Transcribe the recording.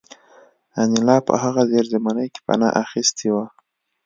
انیلا په هغه زیرزمینۍ کې پناه اخیستې وه